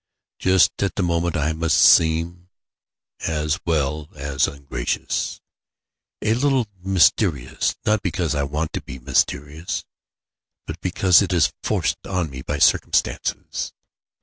Just at the moment I must seem (as well as ungracious) a little mysterious, not because I want to be mysterious, but because it is forced on me by circumstances.